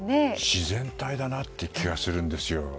自然体だなっていう気がするんですよ。